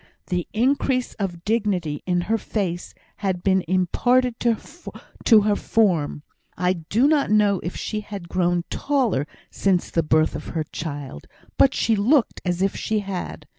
The increase of dignity in her face had been imparted to her form. I do not know if she had grown taller since the birth of her child, but she looked as if she had.